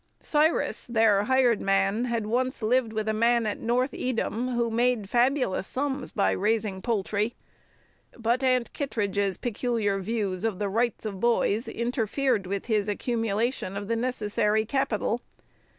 Cyrus, their "hired man," had once lived with a man at North Edom who made fabulous sums by raising poultry. But Aunt Kittredge's peculiar views of the rights of boys interfered with his accumulation of the necessary capital.